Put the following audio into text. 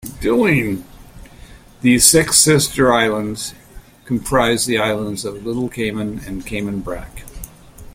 The sixth, Sister Islands, comprises the islands of Little Cayman and Cayman Brac.